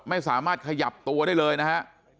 ไม่สามารถขยับตัวได้เลยนะฮะ